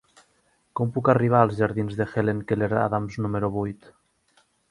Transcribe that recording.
Com puc arribar als jardins de Helen Keller Adams número vuit?